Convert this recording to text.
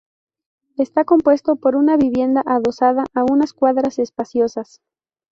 Está compuesto por una vivienda adosada a unas cuadras espaciosas.